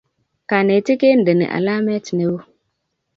kanetik kendeni alamet neoo